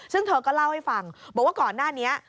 ซึ่งเธอก็เล่าให้ฟังบอกว่าก่อนหน้านี้